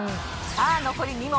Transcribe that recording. さあ残り２問。